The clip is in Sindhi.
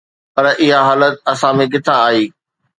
پر اها حالت اسان ۾ ڪٿان آئي؟